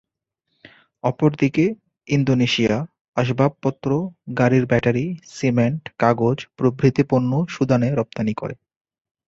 অপরদিকে, ইন্দোনেশিয়া, আসবাবপত্র, গাড়ির ব্যাটারি, সিমেন্ট, কাগজ প্রভৃতি পণ্য সুদানে রপ্তানি করে।